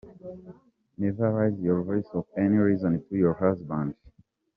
Never raise your voice for any reason to your husband.